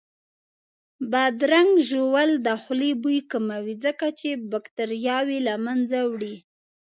بادرنګ ژوول د خولې بوی کموي ځکه چې باکتریاوې له منځه وړي